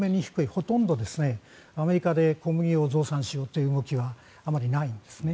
ほとんどアメリカで小麦を増産しようという動きはあまりないんですね。